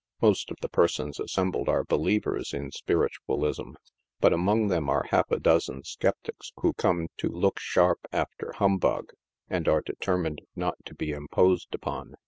Most of the persons assembled are believers in Spiritualism, but among them are half a dozen skeptics who come to look sharp after humbug, and are determined not to be imposed upon.